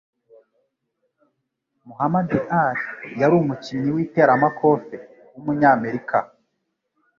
Muhammad Ali yari umukinnyi w'iteramakofe w'umunyamerika.